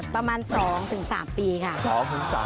ประมาณ๒๓ปีค่ะ